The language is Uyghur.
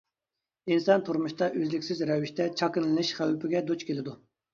ئىنسان تۇرمۇشتا ئۆزلۈكسىز رەۋىشتە چاكىنىلىشىش خەۋپىگە دۇچ كېلىدۇ.